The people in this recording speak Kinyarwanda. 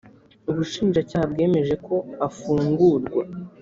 ubushinjacyaha bwemeje ko afungurwa.